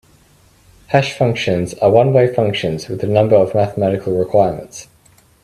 Hash functions are one-way functions with a number of mathematical requirements.